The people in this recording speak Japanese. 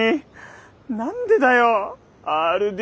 何でだよＲ・Ｄ。